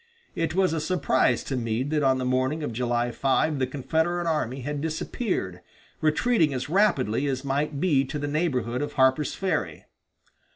It was a surprise to Meade that on the morning of July 5 the Confederate army had disappeared, retreating as rapidly as might be to the neighborhood of Harper's Ferry.